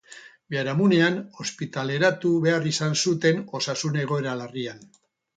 Biharamunean ospitaleratu behar izan zuten, osasun egoera larrian.